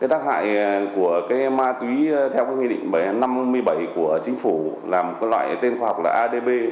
cái tác hại của cái ma túy theo cái nghị định năm mươi bảy của chính phủ là một loại tên khoa học là adb